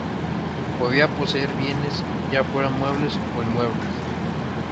Podía poseer bienes, ya fueran muebles o inmuebles.